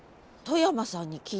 外山さん。